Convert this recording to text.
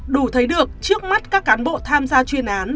đủ thấy được trước mắt các cán bộ tham gia chuyên án